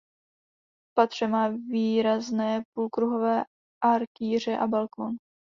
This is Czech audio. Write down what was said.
V patře má výrazné půlkruhové arkýře a balkon.